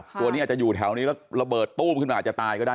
ตัวนี้อาจจะอยู่แถวนี้แล้วระเบิดตู้มขึ้นมาอาจจะตายก็ได้